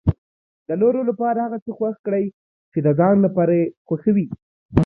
د نورو لپاره هغه څه خوښ کړئ چې د ځان لپاره یې خوښوي.